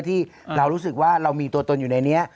ที่เรารู้สึกว่าเรามีตัวตนอยู่ในนี้